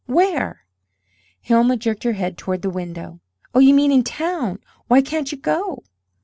"Where?" Hilma jerked her head toward the window. "Oh, you mean in town? Why can't you go?"